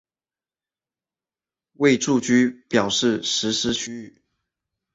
为住居表示实施区域。